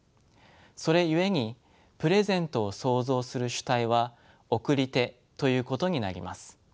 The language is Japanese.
それゆえにプレゼントを創造する主体は送り手ということになります。